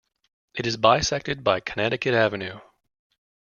It is bisected by Connecticut Avenue.